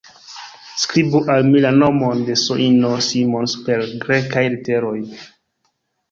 Skribu al mi la nomon de S-ino Simons per Grekaj literoj!